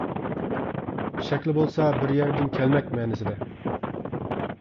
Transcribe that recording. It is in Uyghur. شەكلى بولسا «بىر يەردىن كەلمەك» مەنىسىدە.